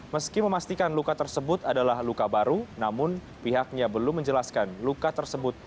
meski memastikan luka tersebut adalah luka baru namun pihaknya belum menjelaskan luka tersebut